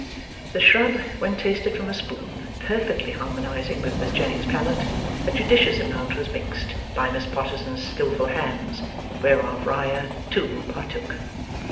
The shrub, when tasted from a spoon, perfectly harmonizing with Miss Jenny's palate, a judicious amount was mixed by Miss Potterson's skilful hands, whereof Riah too partook.